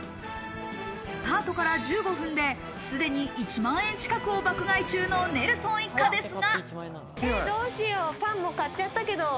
スタートから１５分ですでに１万円近くを爆買い中のネルソン一家ですが。